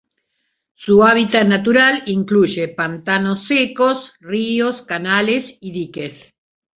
Su hábitat natural incluye montanos secos, ríos, canales y diques.